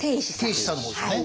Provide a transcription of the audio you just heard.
定子さんの方ですよね。